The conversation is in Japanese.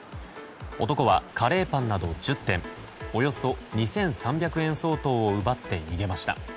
男はカレーパンなど１０点およそ２３００円相当を奪って逃げました。